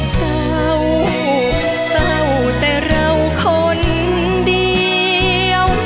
สาวแต่เราคนเดียว